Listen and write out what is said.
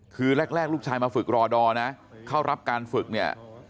คือแรกลูกชายมาฝึกรอดอร์นะเข้ารับการฝึกเนี่ย